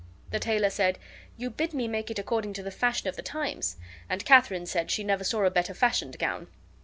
The tailor said, "You bid me make it according to the fashion of the times"; and Katharine said she never saw a better fashioned gown.